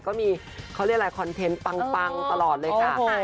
ก็มีเขาเรียกอะไรคอนเทนต์ปังตลอดเลยค่ะ